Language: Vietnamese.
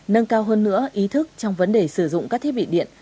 nâng cao hơn nữa ý thức trong vấn đề sử dụng các thiết bị điện